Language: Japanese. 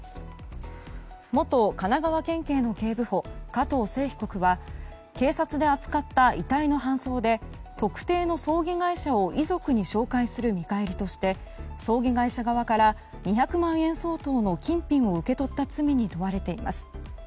元神奈川県警の警部補加藤聖被告は警察で扱った遺体の搬送で特定の葬儀会社を遺族に紹介する見返りとして葬儀会社側から２００万円相当の金品を受け取った罪に問われています。